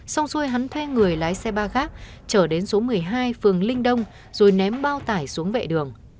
xong rồi hắn thuê người lái xe ba gác chở đến số một mươi hai phường linh đông rồi ném bao tải xuống bệ đường